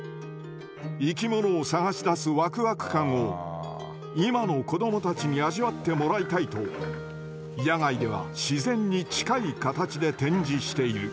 生き物を探し出すワクワク感を今の子どもたちに味わってもらいたいと野外では自然に近い形で展示している。